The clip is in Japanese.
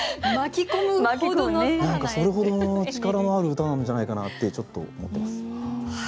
何かそれほどの力のある歌なんじゃないかなってちょっと思ってます。